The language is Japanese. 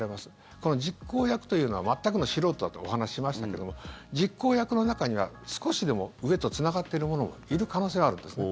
この実行役というのは全くの素人だというお話しましたけども実行役の中には少しでも上とつながっている者もいる可能性があるんですね。